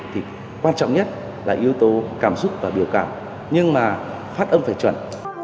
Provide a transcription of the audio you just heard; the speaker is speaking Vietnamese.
thì quan trọng nhất là yếu tố cảm xúc và biểu cảm nhưng mà phát âm về chuẩn